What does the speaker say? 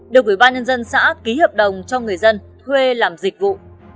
được ủy ban nhân dân xã ký hợp đồng cho người dân thuê làm dịch vụ